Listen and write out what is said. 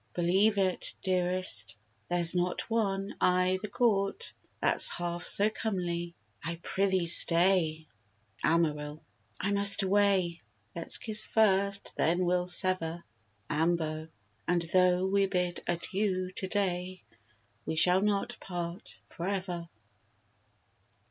Believe it, dearest, there's not one I' th' court that's half so comely. I prithee stay. AMARIL. I must away; Let's kiss first, then we'll sever; AMBO And though we bid adieu to day, We shall not part for ever.